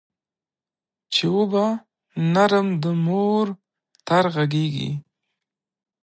چي وو به نرم د مور تر غېږي